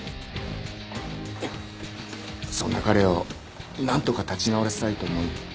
そんな彼をなんとか立ち直らせたいと思い